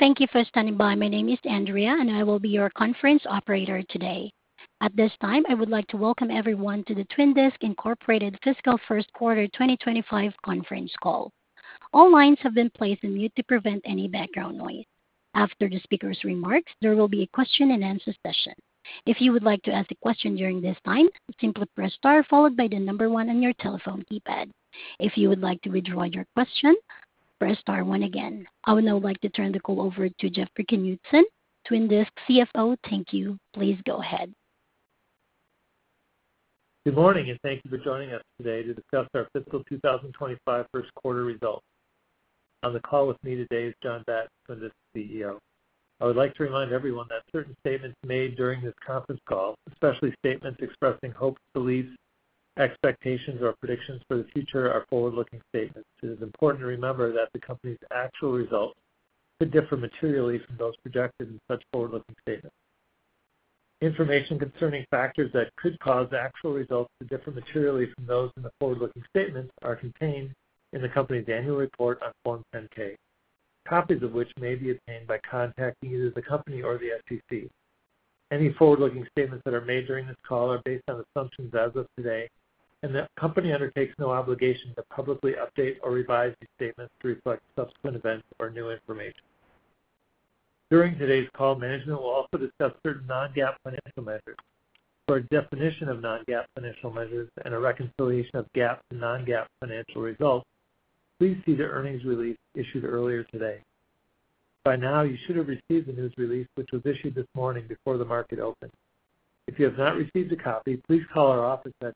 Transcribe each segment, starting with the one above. Thank you for standing by. My name is Andrea, and I will be your conference operator today. At this time, I would like to welcome everyone to the Twin Disc Incorporated Fiscal First Quarter 2025 conference call. All lines have been placed on mute to prevent any background noise. After the speaker's remarks, there will be a question-and-answer session. If you would like to ask a question during this time, simply press star followed by the number one on your telephone keypad. If you would like to withdraw your question, press star one again. I would now like to turn the call over to Jeffrey Knutson, Twin Disc CFO. Thank you. Please go ahead. Good morning, and thank you for joining us today to discuss our Fiscal 2025 First Quarter results. On the call with me today is John Batten, our CEO. I would like to remind everyone that certain statements made during this conference call, especially statements expressing hopes, beliefs, expectations, or predictions for the future, are forward-looking statements. It is important to remember that the company's actual results could differ materially from those projected in such forward-looking statements. Information concerning factors that could cause actual results to differ materially from those in the forward-looking statements are contained in the company's annual report on Form 10-K, copies of which may be obtained by contacting either the company or the SEC. Any forward-looking statements that are made during this call are based on assumptions as of today, and the company undertakes no obligation to publicly update or revise these statements to reflect subsequent events or new information. During today's call, management will also discuss certain non-GAAP financial measures. For a definition of non-GAAP financial measures and a reconciliation of GAAP to non-GAAP financial results, please see the earnings release issued earlier today. By now, you should have received the news release, which was issued this morning before the market opened. If you have not received a copy, please call our office at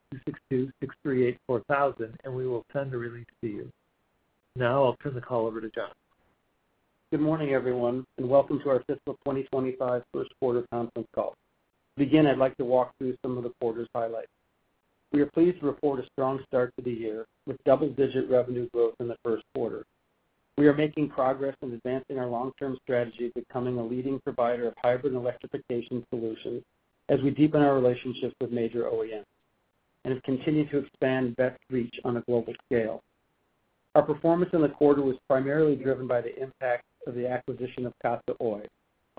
262-638-4000, and we will send a release to you. Now, I'll turn the call over to John. Good morning, everyone, and welcome to our Fiscal 2025 First Quarter conference call. To begin, I'd like to walk through some of the quarter's highlights. We are pleased to report a strong start to the year with double-digit revenue growth in the first quarter. We are making progress in advancing our long-term strategy of becoming a leading provider of hybrid electrification solutions as we deepen our relationships with major OEMs and continue to expand Veth's reach on a global scale. Our performance in the quarter was primarily driven by the impact of the acquisition of Katsa Oy,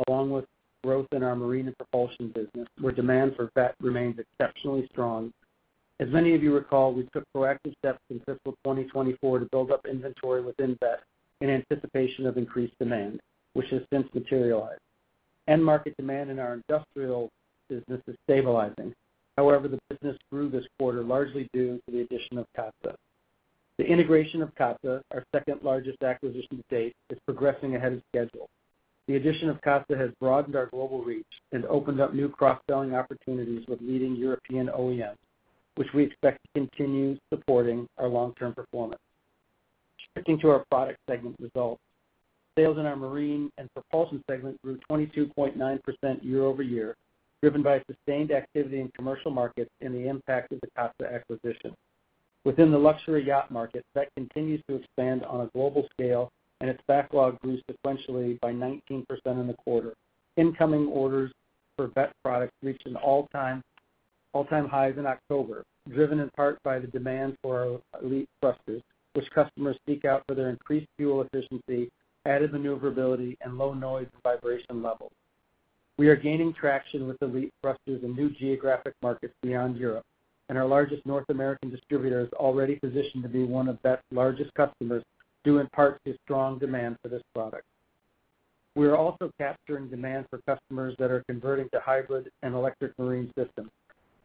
along with growth in our marine and propulsion business, where demand for Veth remains exceptionally strong. As many of you recall, we took proactive steps in Fiscal 2024 to build up inventory within Veth in anticipation of increased demand, which has since materialized. End market demand in our industrial business is stabilizing. However, the business grew this quarter, largely due to the addition of Katsa. The integration of Katsa, our second-largest acquisition to date, is progressing ahead of schedule. The addition of Katsa has broadened our global reach and opened up new cross-selling opportunities with leading European OEMs, which we expect to continue supporting our long-term performance. Shifting to our product segment results, sales in our marine and propulsion segment grew 22.9% year-over-year, driven by sustained activity in commercial markets and the impact of the Katsa acquisition. Within the luxury yacht market, Veth continues to expand on a global scale, and its backlog grew sequentially by 19% in the quarter. Incoming orders for Veth products reached all-time highs in October, driven in part by the demand for our elite thrusters, which customers seek out for their increased fuel efficiency, added maneuverability, and low noise and vibration levels. We are gaining traction with Veth Integrated L-drives in new geographic markets beyond Europe, and our largest North American distributor is already positioned to be one of Veth Propulsion's largest customers, due in part to strong demand for this product. We are also capturing demand for customers that are converting to hybrid and electric marine systems.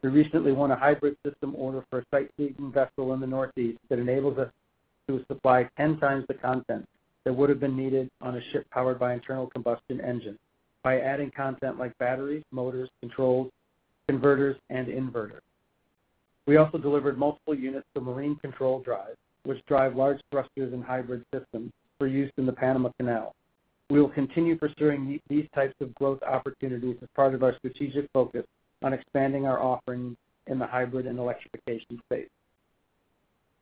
We recently won a hybrid system order for a sightseeing vessel in the Northeast that enables us to supply 10 times the content that would have been needed on a ship powered by internal combustion engine by adding content like batteries, motors, controls, converters, and inverters. We also delivered multiple units for Marine Control Drives, which drive large thrusters and hybrid systems for use in the Panama Canal. We will continue pursuing these types of growth opportunities as part of our strategic focus on expanding our offering in the hybrid and electrification space.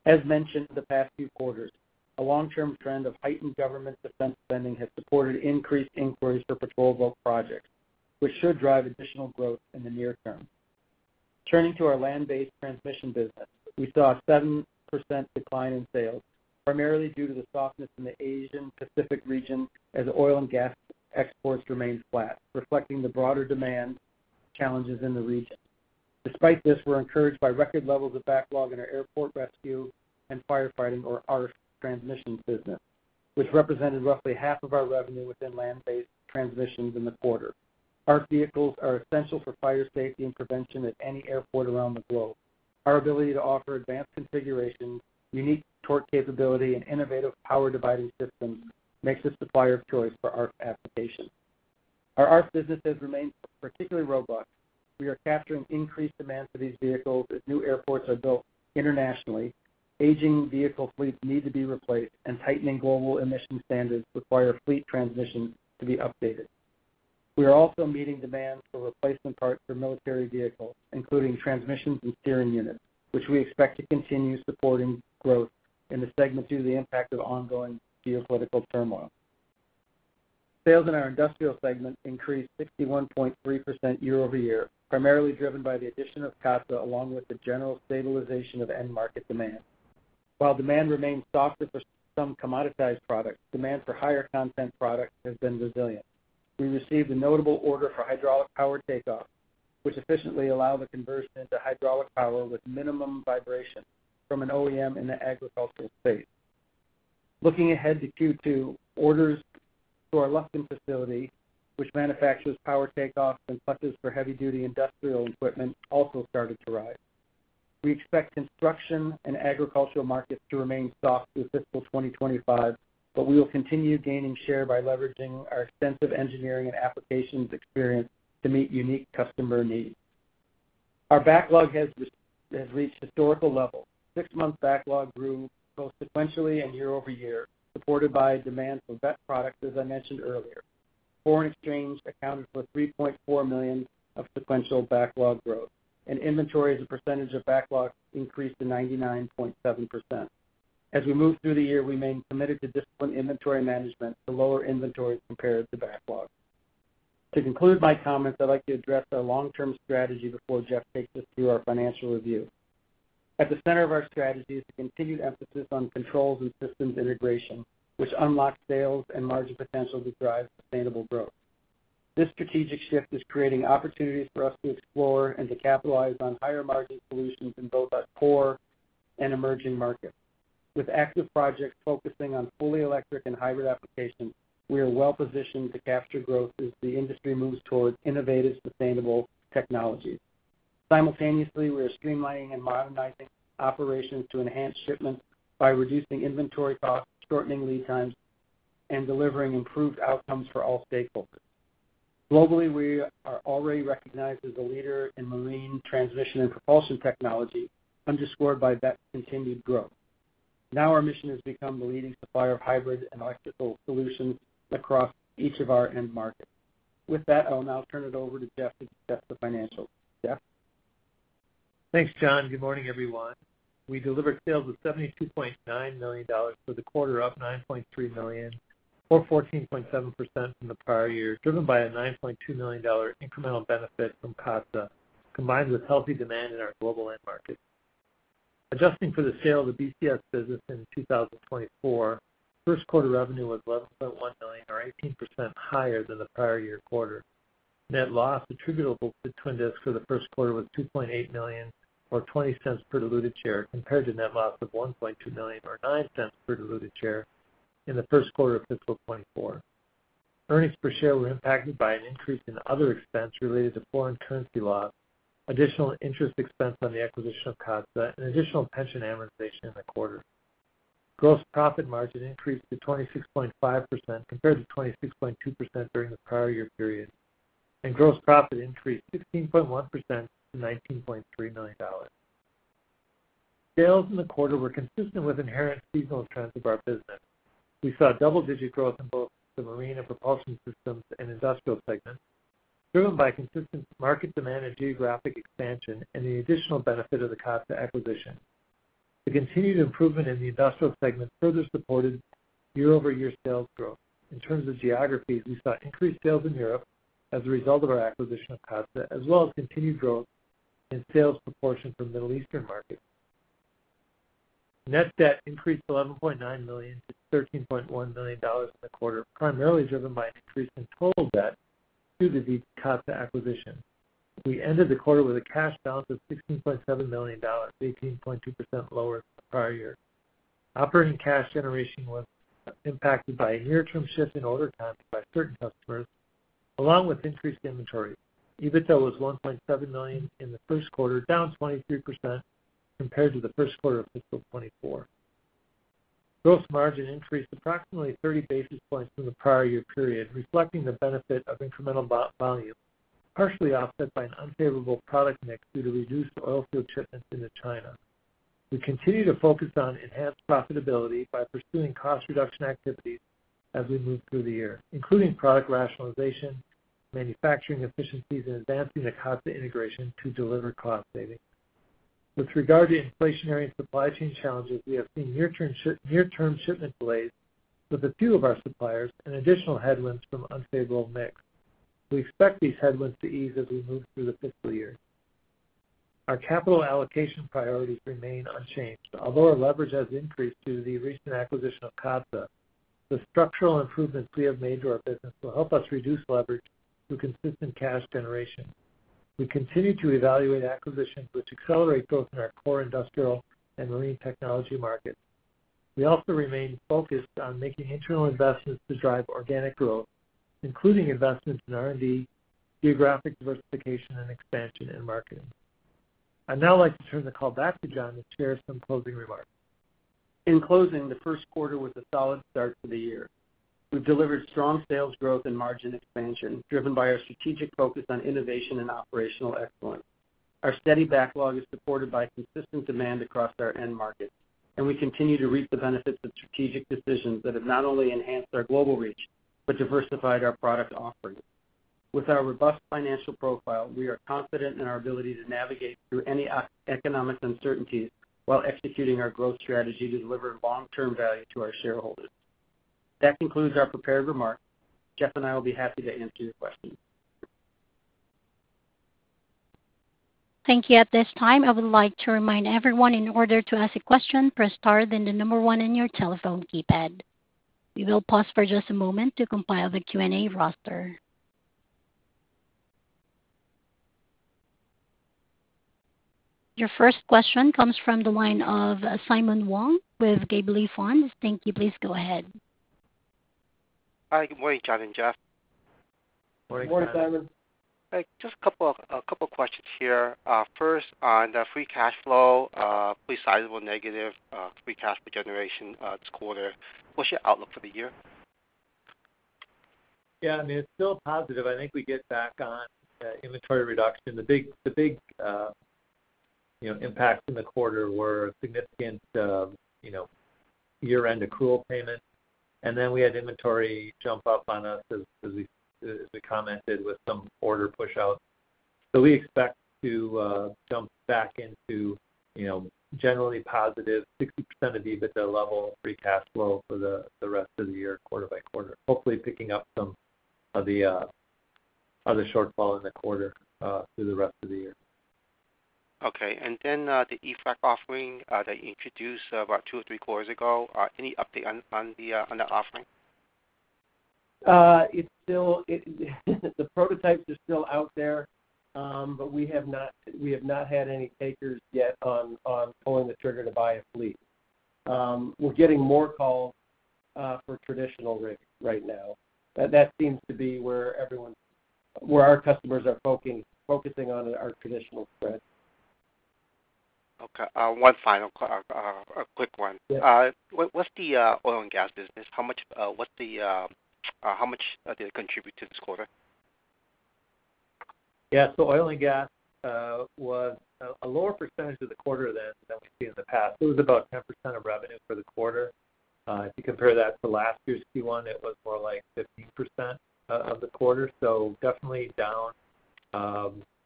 As mentioned the past few quarters, a long-term trend of heightened government defense spending has supported increased inquiries for proposal projects, which should drive additional growth in the near term. Turning to our land-based transmission business, we saw a 7% decline in sales, primarily due to the softness in the Asia-Pacific region as oil and gas exports remained flat, reflecting the broader demand challenges in the region. Despite this, we're encouraged by record levels of backlog in our airport rescue and firefighting, or ARFF, transmission business, which represented roughly half of our revenue within land-based transmissions in the quarter. ARFF vehicles are essential for fire safety and prevention at any airport around the globe. Our ability to offer advanced configurations, unique torque capability, and innovative power dividing systems makes us a supplier of choice for ARFF applications. Our ARFF business has remained particularly robust. We are capturing increased demand for these vehicles as new airports are built internationally. Aging vehicle fleets need to be replaced, and tightening global emission standards require fleet transmissions to be updated. We are also meeting demand for replacement parts for military vehicles, including transmissions and steering units, which we expect to continue supporting growth in the segment due to the impact of ongoing geopolitical turmoil. Sales in our industrial segment increased 61.3% year-over-year, primarily driven by the addition of Katsa along with the general stabilization of end market demand. While demand remains softer for some commoditized products, demand for higher content products has been resilient. We received a notable order for hydraulic power take-off, which efficiently allowed the conversion into hydraulic power with minimum vibration from an OEM in the agricultural space. Looking ahead to Q2, orders to our Lufkin facility, which manufactures power take-offs and clutches for heavy-duty industrial equipment, also started to rise. We expect construction and agricultural markets to remain soft through Fiscal 2025, but we will continue gaining share by leveraging our extensive engineering and applications experience to meet unique customer needs. Our backlog has reached historical levels. Six-month backlog grew both sequentially and year-over-year, supported by demand for Veth products, as I mentioned earlier. Foreign exchange accounted for $3.4 million of sequential backlog growth, and inventory as a percentage of backlog increased to 99.7%. As we move through the year, we remain committed to disciplined inventory management to lower inventory compared to backlog. To conclude my comments, I'd like to address our long-term strategy before Jeff takes us through our financial review. At the center of our strategy is the continued emphasis on controls and systems integration, which unlocks sales and margin potential to drive sustainable growth. This strategic shift is creating opportunities for us to explore and to capitalize on higher margin solutions in both our core and emerging markets. With active projects focusing on fully electric and hybrid applications, we are well-positioned to capture growth as the industry moves toward innovative sustainable technologies. Simultaneously, we are streamlining and modernizing operations to enhance shipments by reducing inventory costs, shortening lead times, and delivering improved outcomes for all stakeholders. Globally, we are already recognized as a leader in marine transmission and propulsion technology, underscored by Veth's continued growth. Now our mission has become the leading supplier of hybrid and electrical solutions across each of our end markets. With that, I'll now turn it over to Jeff to discuss the financials. Jeff? Thanks, John. Good morning, everyone. We delivered sales of $72.9 million for the quarter of $9.3 million, or 14.7% from the prior year, driven by a $9.2 million incremental benefit from Katsa, combined with healthy demand in our global end markets. Adjusting for the sale of the BCS business in 2024, first quarter revenue was $11.1 million, or 18% higher than the prior year quarter. Net loss attributable to Twin Disc for the first quarter was $2.8 million, or $0.20 per diluted share, compared to net loss of $1.2 million, or $0.09 per diluted share in the first quarter of Fiscal 2024. Earnings per share were impacted by an increase in other expense related to foreign currency loss, additional interest expense on the acquisition of Katsa, and additional pension amortization in the quarter. Gross profit margin increased to 26.5% compared to 26.2% during the prior year period, and gross profit increased 16.1%-$19.3 million. Sales in the quarter were consistent with inherent seasonal trends of our business. We saw double-digit growth in both the marine and propulsion systems and industrial segments, driven by consistent market demand and geographic expansion and the additional benefit of the Katsa acquisition. The continued improvement in the industrial segment further supported year-over-year sales growth. In terms of geographies, we saw increased sales in Europe as a result of our acquisition of Katsa, as well as continued growth in sales proportion from Middle Eastern markets. Net debt increased $11.9 million-$13.1 million in the quarter, primarily driven by an increase in total debt due to the Katsa acquisition. We ended the quarter with a cash balance of $16.7 million, 18.2% lower than the prior year. Operating cash generation was impacted by a near-term shift in order times by certain customers, along with increased inventory. EBITDA was $1.7 million in the first quarter, down 23% compared to the first quarter of Fiscal 2024. Gross margin increased approximately 30 basis points from the prior year period, reflecting the benefit of incremental volume, partially offset by an unfavorable product mix due to reduced oilfield shipments into China. We continue to focus on enhanced profitability by pursuing cost-reduction activities as we move through the year, including product rationalization, manufacturing efficiencies, and advancing the Katsa integration to deliver cost savings. With regard to inflationary and supply chain challenges, we have seen near-term shipment delays with a few of our suppliers and additional headwinds from unfavorable mix. We expect these headwinds to ease as we move through the fiscal year. Our capital allocation priorities remain unchanged. Although our leverage has increased due to the recent acquisition of Katsa, the structural improvements we have made to our business will help us reduce leverage through consistent cash generation. We continue to evaluate acquisitions which accelerate growth in our core industrial and marine technology markets. We also remain focused on making internal investments to drive organic growth, including investments in R&D, geographic diversification, and expansion in marketing. I'd now like to turn the call back to John to share some closing remarks. In closing, the first quarter was a solid start to the year. We've delivered strong sales growth and margin expansion, driven by our strategic focus on innovation and operational excellence. Our steady backlog is supported by consistent demand across our end markets, and we continue to reap the benefits of strategic decisions that have not only enhanced our global reach but diversified our product offering. With our robust financial profile, we are confident in our ability to navigate through any economic uncertainties while executing our growth strategy to deliver long-term value to our shareholders. That concludes our prepared remarks. Jeff and I will be happy to answer your questions. Thank you. At this time, I would like to remind everyone in order to ask a question, press star, then the number one in your telephone keypad. We will pause for just a moment to compile the Q&A roster. Your first question comes from the line of Simon Wong with Gabelli Funds. Thank you. Please go ahead. Hi. Good morning, John and Jeff. Morning, Simon. Morning, Simon. Hey. Just a couple of questions here. First, on the free cash flow, pretty sizable negative free cash flow generation this quarter. What's your outlook for the year? Yeah. I mean, it's still positive. I think we get back on inventory reduction. The big impacts in the quarter were significant year-end accrual payments, and then we had inventory jump up on us, as we commented, with some order push-out. So, we expect to jump back into generally positive 60% of EBITDA level free cash flow for the rest of the year, quarter by quarter, hopefully picking up some of the other shortfall in the quarter through the rest of the year. Okay. And then the e-frac offering that you introduced about two or three quarters ago, any update on that offering? It's still the prototypes are still out there, but we have not had any takers yet on pulling the trigger to buy a fleet. We're getting more calls for traditional rigs right now. That seems to be where our customers are focusing on our traditional spread. Okay. One final quick one. What's the oil and gas business? How much do they contribute to this quarter? Yeah. So, oil and gas was a lower percentage of the quarter than we've seen in the past. It was about 10% of revenue for the quarter. If you compare that to last year's Q1, it was more like 15% of the quarter. So, definitely down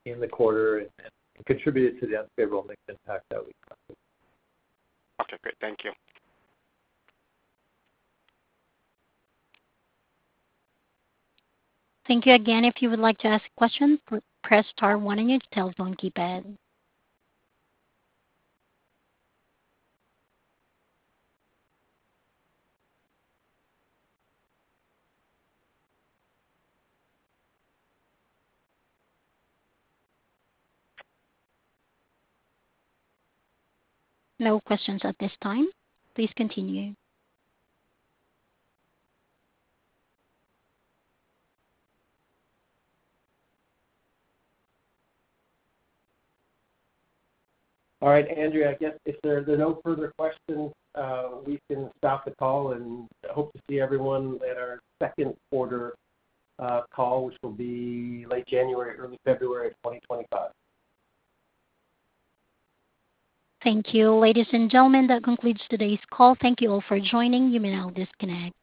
in the quarter and contributed to the unfavorable mix impact that we expected. Okay. Great. Thank you. Thank you again. If you would like to ask a question, press star one in your telephone keypad. No questions at this time. Please continue. All right. Andrea again, if there are no further questions, we can stop the call and hope to see everyone at our second quarter call, which will be late January, early February of 2025. Thank you. Ladies and gentlemen, that concludes today's call. Thank you all for joining. You may now disconnect.